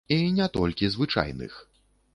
І не толькі звычайных.